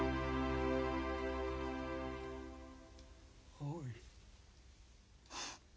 おい。